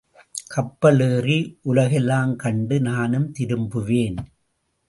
கப்பல் ஏறி உலகெலாம் கண்டு நானும் திரும்புவேன்.